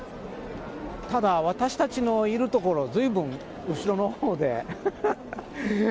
ただ、私たちのいる所、ずいぶん後ろのほうで。